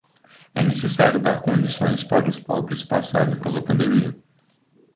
É necessário dar condições para os pobres passarem pela pandemia